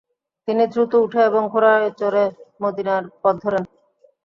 তিনি দ্রুত উঠেন এবং ঘোড়ায় চড়ে মদীনার পথ ধরেন।